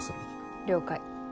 了解。